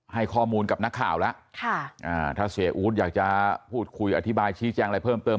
ให้ข้อมูลกับนักข่าวแล้วถ้าเสียอู๊ดอยากจะพูดคุยอธิบายชี้แจงอะไรเพิ่มเติม